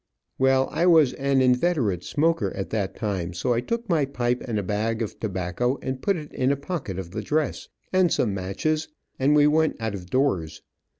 Well, I was an inveterate smoker at that time, so I took my pipe and a bag of tobacco, and put it in a pocket of the dress, and some matches, and we went out doors.